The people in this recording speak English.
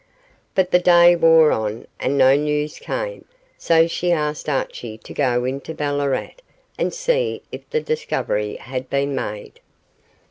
But the day wore on, and no news came, so she asked Archie to go into Ballarat and see if the discovery had been made.